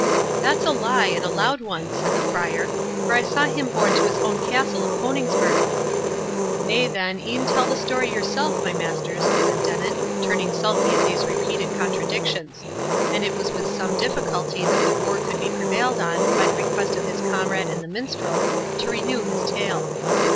"That's a lie, and a loud one," said the Friar, "for I saw him borne to his own Castle of Coningsburgh." "Nay, then, e'en tell the story yourself, my masters," said Dennet, turning sulky at these repeated contradictions; and it was with some difficulty that the boor could be prevailed on, by the request of his comrade and the Minstrel, to renew his tale.